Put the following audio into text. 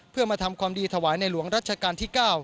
เพื่อมาทำความดีถวายในหลวงรัชกาลที่๙